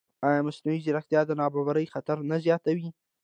ایا مصنوعي ځیرکتیا د نابرابرۍ خطر نه زیاتوي؟